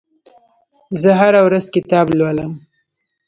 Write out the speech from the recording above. زه هره ورځ کتاب لولم.